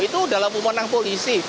itu dalam umur enam polisi